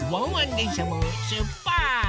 でんしゃもしゅっぱつ！